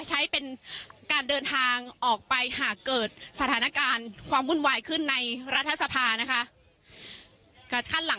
ใช้เป็นการเดินทางออกไปหากเกิดสถานการณ์ความวุ่นวายขึ้นในรัฐสภานะคะ